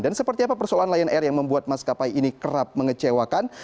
dan seperti apa persoalan lion air yang membuat mas kapai ini kerap mengecewakan